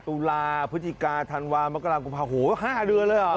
ตุลาพฤศจิกาธันวามกรากุมภาโห๕เดือนเลยเหรอ